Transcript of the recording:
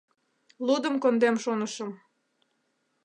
Лудым кондем шонышым